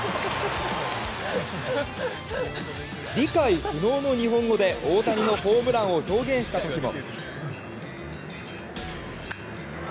理解不能の日本語で大谷のホームランを表現した時も。